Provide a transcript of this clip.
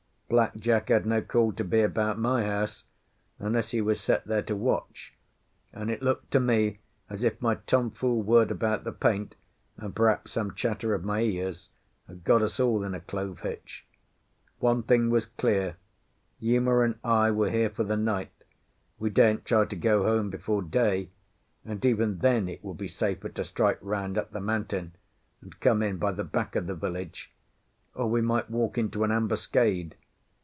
Black Jack had no call to be about my house, unless he was set there to watch; and it looked to me as if my tomfool word about the paint, and perhaps some chatter of Maea's, had got us all in a clove hitch. One thing was clear: Uma and I were here for the night; we daren't try to go home before day, and even then it would be safer to strike round up the mountain and come in by the back of the village, or we might walk into an ambuscade.